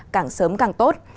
càng sớm càng tốt